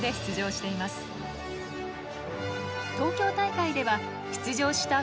東京大会では出場した